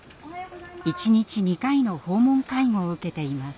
１日２回の訪問介護を受けています。